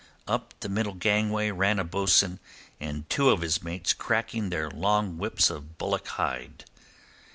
Up the middle gangway ran a bo'sun and two of his mates cracking their long whips of bullock hide.